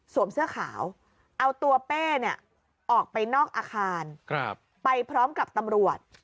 เสื้อขาวเอาตัวเป้เนี่ยออกไปนอกอาคารไปพร้อมกับตำรวจ